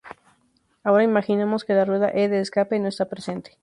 Ahora imaginamos que la rueda E de escape no está presente.